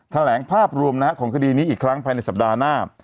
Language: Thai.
แถลงภาพรวมของคดีนี้อีกครั้งภายในสัปดาห์หน้า